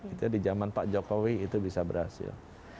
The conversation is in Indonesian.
itu di zaman pak jokowi itu bisa berhasil